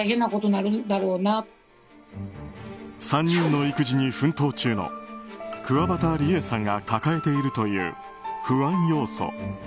３人の育児に奮闘中のくわばたりえさんが抱えているという不安要素